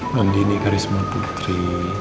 mandi ini karisma putri